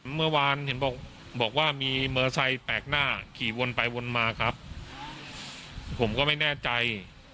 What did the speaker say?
เมื่อวานเห็นบอกบอกว่ามีมอเตอร์ไซค์แปลกหน้าขี่วนไปวนมาครับผมก็ไม่แน่ใจ